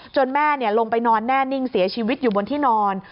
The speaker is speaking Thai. แม่ลงไปนอนแน่นิ่งเสียชีวิตอยู่บนที่นอน